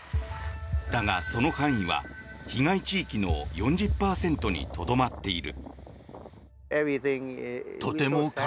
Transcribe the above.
だが、その範囲は被害地域の４０％にとどまっている。